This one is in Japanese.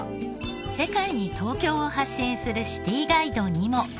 世界に東京を発信するシティーガイドにも。